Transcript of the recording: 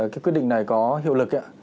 cái quyết định này có hiệu lực